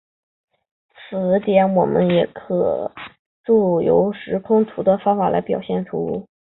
此点我们也可藉由时空图的方法来表现出。